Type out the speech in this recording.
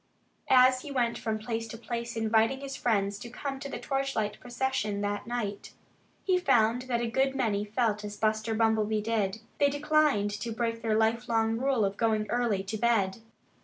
As he went from place to place inviting his friends to come to the torchlight procession that night, he found that a good many felt as Buster Bumblebee did. They declined to break their life long rule of going early to bed.